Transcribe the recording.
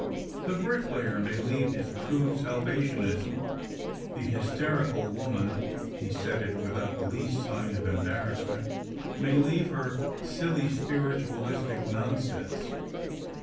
The bricklayer may leave his crude salva tionism. The hysterical woman "— he said it without the least sio;n of embarrassment —" may leave her silly spiritualistic nonsense.